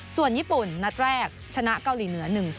ส่วนญี่ปุ่นนัดแรกชนะเกาหลีเหนือ๑๐